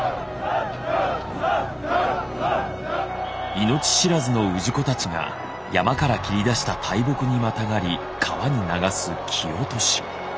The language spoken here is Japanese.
命知らずの氏子たちが山から切り出した大木にまたがり川に流す「木落し」。